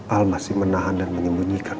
al masih menahan dan menyembunyikan